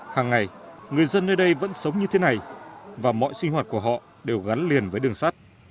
hàng ngày người dân nơi đây vẫn sống như thế này và mọi sinh hoạt của họ đều gắn liền với đường sắt